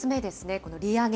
この利上げ？